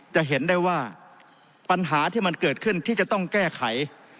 จะเห็นได้ว่าปัญหาที่มันเกิดขึ้นที่จะต้องแก้ไข